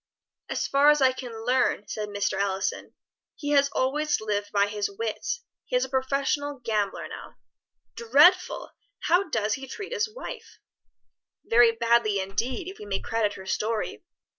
"As far as I can learn," said Mr. Allison, "he has always lived by his wits; he is a professional gambler now." "Dreadful! How does he treat his wife?" "Very badly indeed, if we may credit her story.